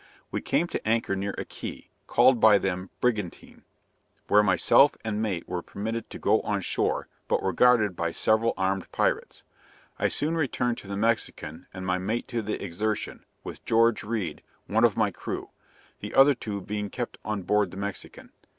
We came to anchor near a Key, called by them Brigantine, where myself and mate were permitted to go on shore, but were guarded by several armed pirates. I soon returned to the Mexican and my mate to the Exertion, with George Reed, one of my crew; the other two being kept on board the Mexican.